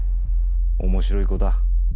面白い子だ。